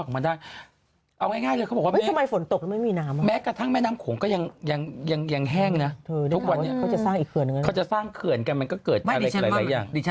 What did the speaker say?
มันก็เอาตัวล่อขึ้นมาได้